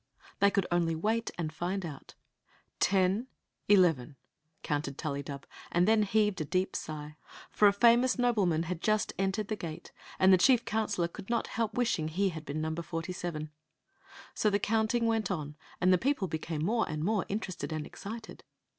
They could only wait and find out " Ten, eleven !" counted Tullydub, and then heaved a deep sigh. For a famous nobleman had just entered the gate, and the chief counselor could not help wish ing he had been number forty seven. So the counting went on, and the people became more and more interested and excited.